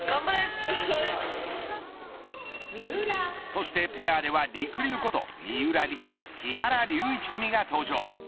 そしてペアではりくりゅうこと三浦璃来木原龍一組が登場。